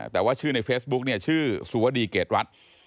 แต่ว่าชื่อในเฟซบุ๊กเนี่ยชื่อสุวดีเกรดวัด